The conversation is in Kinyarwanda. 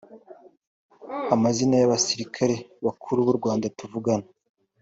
amazina y’abasirikare bakuru b’u Rwanda tuvugana